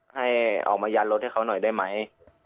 ให้ออกมายันรถให้เขาหน่อยได้ไหม